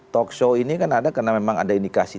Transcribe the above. talk show ini kan ada karena memang ada indikasi